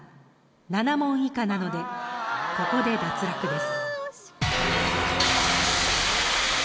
７問以下なのでここで脱落です。